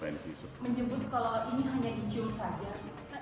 menjemput kalau ini hanya di jul saja